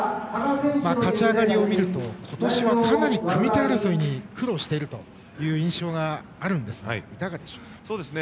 勝ち上がりを見ると今年はかなり組み手争いに苦労しているという印象があるんですがいかがでしょうか？